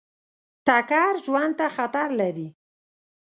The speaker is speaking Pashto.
ټکر ژوند ته خطر لري.